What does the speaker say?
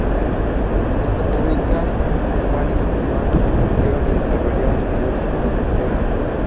En esta fábrica, Juan y sus hermanos aprendieron y desarrollaron sus dotes como escultores.